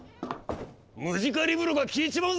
ムジカリブロが消えちまうぞ！